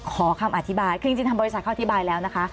ขอคำอธิบายคือจริงทางบริษัทเขาอธิบายแล้วนะคะ